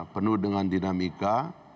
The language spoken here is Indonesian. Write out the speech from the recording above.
penuh dengan dinamika